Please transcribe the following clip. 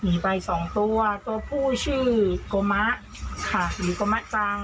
หนีไป๒ตัวตัวผู้ชื่อกมะค่ะหรือกมะจัง